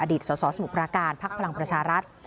อดีตสาวสมุปราการพักพลังประชารัฐ